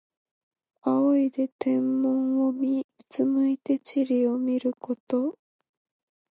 仰いで天文を見、うつむいて地理を知ること。